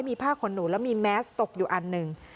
มีผ้าขนหนูแล้วมีแมสตกอยู่อันหนึ่ง